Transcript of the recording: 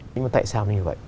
nhưng mà tại sao như vậy